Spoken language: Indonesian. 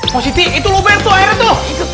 posisi itu lu berdua itu